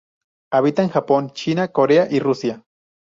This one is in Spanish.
Habita en Japón, China, Corea y Rusia.